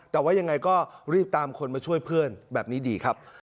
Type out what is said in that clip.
แต่ว่ายังไงก็รีบตามคนมาช่วยเพื่อนแบบนี้ดีครับ